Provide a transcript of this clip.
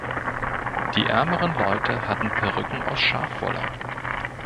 Die ärmeren Leute hatten Perücken aus Schafwolle.